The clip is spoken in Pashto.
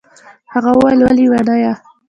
هغه وويل وه ليونيه.